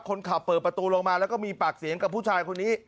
เปิดประตูลงมาแล้วก็มีปากเสียงกับผู้ชายคนนี้